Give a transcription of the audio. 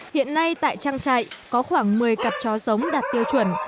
hiện nay tại trang trại có khoảng một mươi cặp chó giống đạt tiêu chuẩn